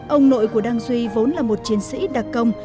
ông nội của đăng duy vốn là một chiến sĩ đặc công